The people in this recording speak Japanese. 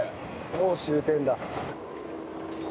もう終点だ。